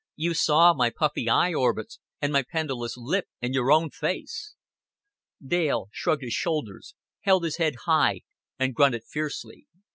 You saw my puffy eye orbits and my pendulous lip in your own face." Dale shrugged his shoulders, held his head high, and grunted fiercely.